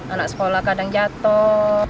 anak sekolah kadang jatuh